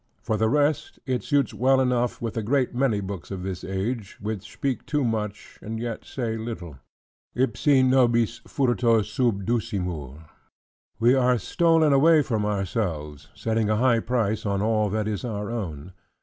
For the rest, it suits well enough with a great many books of this age, which speak too much, and yet say little; "Ipsi nobis furto subducimur"; "We are stolen away from ourselves," setting a high price on all that is our own.